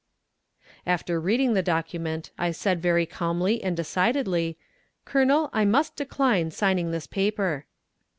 After reading the document, I said very calmly and decidedly, "Colonel, I must decline signing this paper."